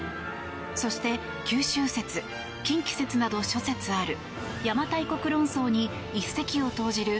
そして九州説、近畿説など諸説ある邪馬台国論争に一石を投じる